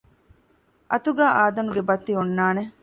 އަތުގައި އާދަނުގެ ބައްތި އޮންނާނެ